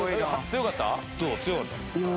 強かった？